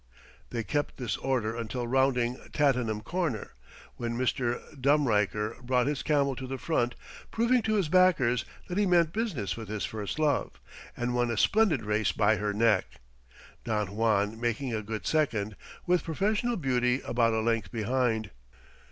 They kept this order until rounding Tattenham Corner, when Mr. Dumreicher brought his camel to the front, proving to his backers that he meant business with his First Love, and won a splendid race by her neck, Don Juan making a good second, with Professional Beauty about a length behind.